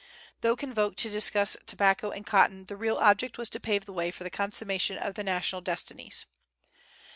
Though convoked to discuss tobacco and cotton, the real object was to pave the way for "the consummation of the national destinies."